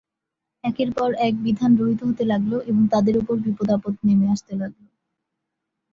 একের পর এক বিধান রহিত হতে লাগল এবং তাদের উপর বিপদাপদ নেমে আসতে লাগল।